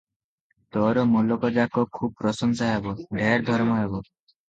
ତୋର ମୁଲକଯାକ ଖୁବ୍ ପ୍ରଶଂସା ହେବ, ଢେର ଧର୍ମ ହେବ ।